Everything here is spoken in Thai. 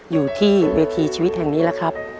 อยู่ที่เวทีชีวิตแห่งนี้แล้วครับ